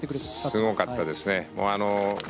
すごかったですね。